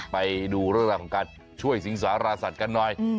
ไปดูเรื่องราวของการช่วยสิงสาราสัตว์กันหน่อย